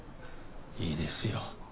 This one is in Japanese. いいですよ。